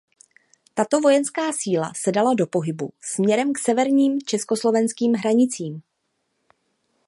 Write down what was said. Tato vojenská síla se dala do pohybu směrem k severním československým hranicím.